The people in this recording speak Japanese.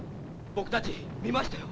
僕たち見ましたよ。